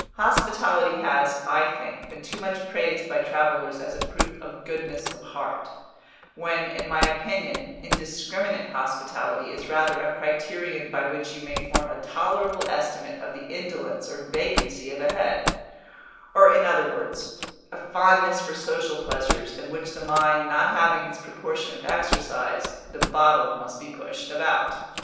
Hospitality has, I think, been too much praised by travellers as a proof of goodness of heart, when, in my opinion, indiscriminate hospitality is rather a criterion by which you may form a tolerable estimate of the indolence or vacancy of a head; or, in other words, a fondness for social pleasures in which the mind not having its proportion of exercise, the bottle must be pushed about.